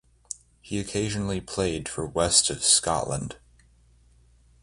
He occasionally played for West of Scotland.